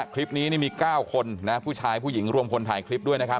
คลิปนี้นี่มี๙คนนะผู้ชายผู้หญิงรวมคนถ่ายคลิปด้วยนะครับ